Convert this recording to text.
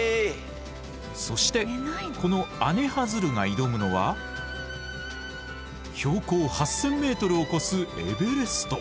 そしてこのアネハヅルが挑むのは標高８，０００メートルを超すエベレスト！